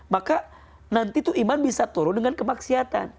maka nanti tuh iman bisa turun dengan kemaksiatan